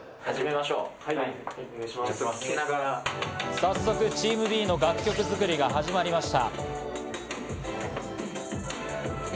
早速チームＢの楽曲作りが始まりました。